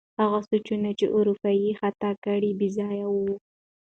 هغه سوچونه چې واروپار یې ختا کړ، بې ځایه وو.